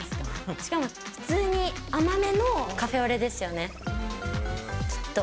しかも普通に甘めのカフェオレですよね、きっと。